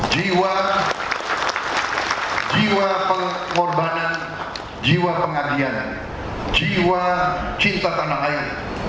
jiwa jiwa pengorbanan jiwa pengabdian jiwa cinta tanah air